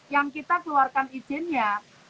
yang kita keluarkan izinnya